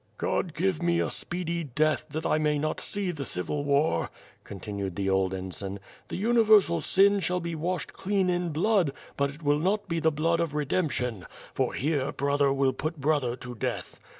"God give me a speedy death that I may not see the civil war," continued the old ensign, "the universal sin shall be washed clean in blood, but it will not be the blood of re demption; for here, brother will put brother to death.